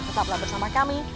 tetaplah bersama kami